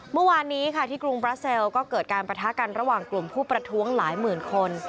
เมื่อวานนี้ค่ะที่กรุงบราเซลก็เกิดการประทะกันระหว่างกลุ่มผู้ประท้วงหลายหมื่นคน